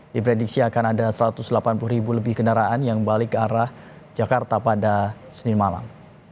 diprediksi akan ada satu ratus delapan puluh ribu lebih kendaraan yang balik ke arah jakarta pada senin malam